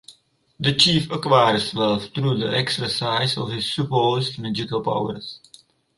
The chief acquires wealth through the exercise of his supposed magical powers.